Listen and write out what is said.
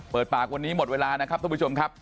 เปิดปากวันนี้หมดเวลานะครับทุกผู้ชมครับ